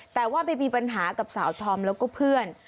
แต่ว่าไปมีปัญหากับสาวธอมแล้วก็เพื่อน